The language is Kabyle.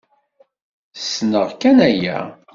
Snneɣ kan aya.